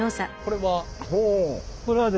これは？